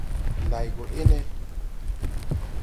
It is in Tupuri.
Nday gɔ ene?